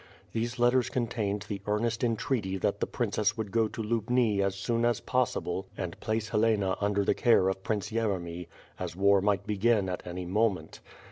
These letters contained the earnest entreaty that the princess would go to Lubni as soon as possible and place Helena under the care of Prince Yeremy, as war might begin at any moment.